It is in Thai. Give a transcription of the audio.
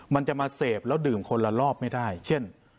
มันจะมาเสพแล้วดื่มคนละรอบไม่ได้เช่น